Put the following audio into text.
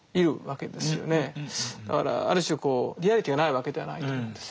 だからある種リアリティーがないわけではないと思うんですよね。